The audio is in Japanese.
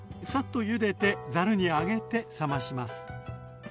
サッとゆでてざるに上げて冷まします。